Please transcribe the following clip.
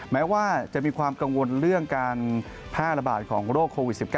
แม้ว่าจะมีความกังวลเรื่องการแพร่ระบาดของโรคโควิด๑๙